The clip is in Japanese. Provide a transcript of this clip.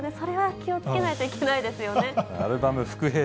気をつけないといけないですね。